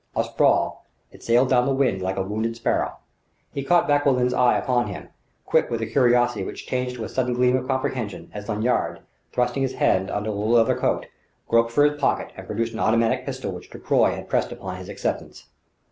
A sprawl, it sailed down the wind like a wounded sparrow. He caught Vauquelin's eye upon him, quick with a curiosity which changed to a sudden gleam of comprehension as Lanyard, thrusting his hand under the leather coat, groped for his pocket and produced an automatic pistol which Ducroy had pressed upon his acceptance.